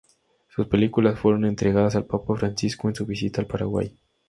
Sus películas fueron entregadas al Papa Francisco en su visita al Paraguay.